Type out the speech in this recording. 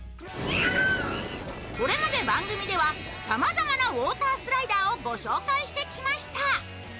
これまで番組ではさまざまなウォータースライダーをご紹介してきました。